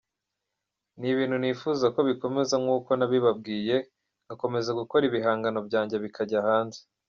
Ni ibintu nifuza ko bikomeza nk’uko nabibabwiye nkakomeza gukora ibihangano byanjye bikajya hanze.